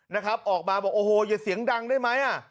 นะครับออกมาบอกโอ้โหอย่าเสียงดังได้ไหม